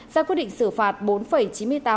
ra quyết định xử phạt